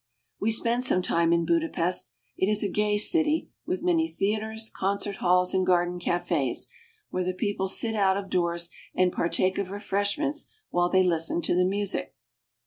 We spend some time in Budapest. It is a gay city, with many theaters, concert halls, and garden cafes, where the people sit out of doors and partake of HUNGARY AND THE HUNGARIANS. 299 refreshments while they listen to the music.